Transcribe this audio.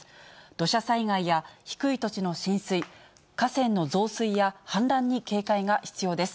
土砂災害や低い土地の浸水、河川の増水や氾濫に警戒が必要です。